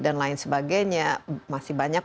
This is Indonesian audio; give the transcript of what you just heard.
dan lain sebagainya masih banyak